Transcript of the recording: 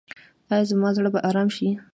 ایا زما زړه به ارام شي؟